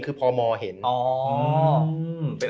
คือพอหมอเห็น